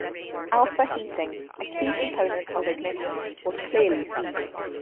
Alpha heating, a key component of ignition, was clearly seen.